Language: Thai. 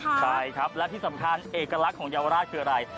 ใช่ครับและที่สำคัญเอกลักษณ์ของเยาวราชคืออะไร